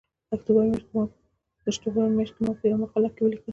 اکتوبر میاشت کې ما په یوه مقاله کې ولیکل